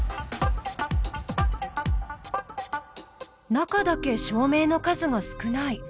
中だけ照明の数が少ない。